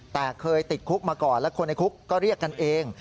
แต่เคยติดคุกมาก่อนและคนในคุกก็เรียกกันเอง